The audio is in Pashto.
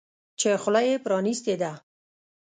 چې خوله یې پرانیستې ده.